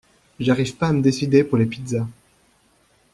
J'arrive pas à me décider pour les pizzas.